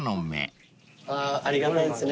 ありがたいですね